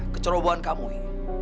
kecerobohan kamu i